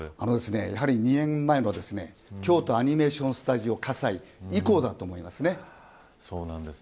やはり２年前の京都アニメーションスタジオ火災以降だと思います。